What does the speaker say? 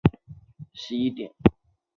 回去都十一点了